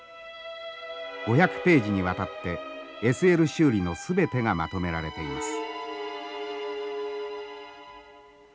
５００ページにわたってＳＬ修理の全てがまとめられています。